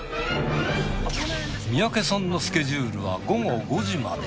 三宅さんのスケジュールは午後５時まで。